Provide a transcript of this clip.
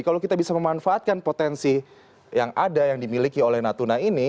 kalau kita bisa memanfaatkan potensi yang ada yang dimiliki oleh natuna ini